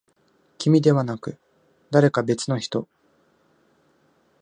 君ではなく、誰か別の人。